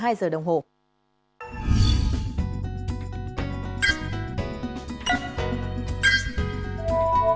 hãy đăng ký kênh để ủng hộ kênh mình nhé